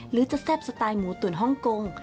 หรือจะแซ่บสไตล์หมูตุ๋นฮ่องกง